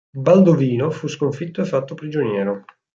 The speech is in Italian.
Baldovino fu sconfitto e fatto prigioniero.